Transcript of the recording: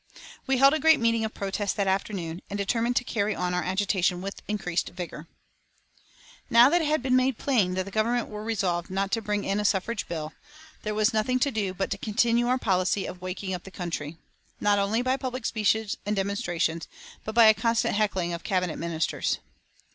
We held a great meeting of protest that afternoon, and determined to carry on our agitation with increased vigor. Now that it had been made plain that the Government were resolved not to bring in a suffrage bill, there was nothing to do but to continue our policy of waking up the country, not only by public speeches and demonstrations, but by a constant heckling of Cabinet Ministers.